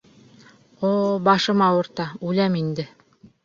О-о-о, башым ауырта, үләм инде...